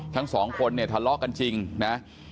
ทั้งสองคนเนี่ยทะเลาะกันจริงนะ